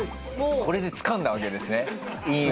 これでつかんだわけですね韻を。